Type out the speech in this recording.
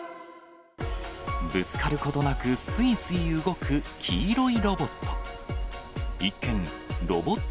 ぶつかることなく、すいすい動く黄色いロボット。